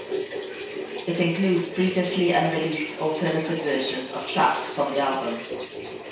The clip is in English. It includes previously unreleased alternative versions of tracks from the album.